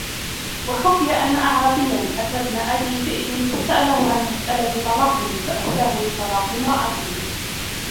وَحُكِيَ أَنَّ أَعْرَابِيًّا أَتَى ابْنَ أَبِي ذِئْبٍ فَسَأَلَهُ عَنْ مَسْأَلَةِ طَلَاقٍ فَأَفْتَاهُ بِطَلَاقِ امْرَأَتِهِ